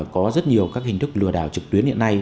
có rất nhiều các hình thức lừa đảo trực tuyến hiện nay